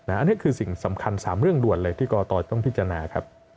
อันนี้คือสิ่งสำคัญ๓เรื่องด่วนเลยที่กรกตต้องพิจารณาครับ